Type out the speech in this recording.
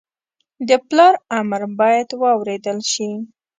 د پلار امر باید واورېدل شي